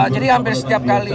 jadi hampir setiap kali